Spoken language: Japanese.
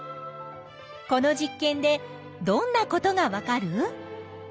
この実験でどんなことがわかる？